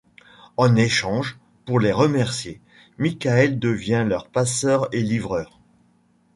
En échange, pour les remercier, Michael devient leur passeur et livreur.